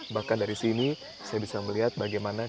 bahkan dari sini saya bisa melihat bagaimana